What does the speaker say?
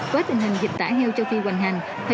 với tình hình dịch tải heo cho khi hoành hành